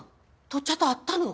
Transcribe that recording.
父っちゃと会ったの？